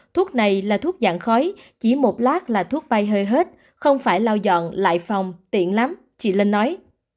thuốc này là thuốc dạng khói chỉ một lát là thuốc bay hơi hết không phải lau dọn lại phòng tiện lắm chị lên nói